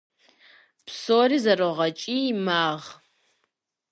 Псори зэрогъэкӀий, магъ.